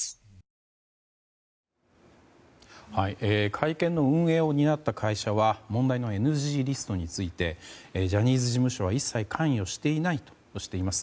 会見の運営を担った会社は問題のＮＧリストについてジャニーズ事務所は一切関与していないとしています。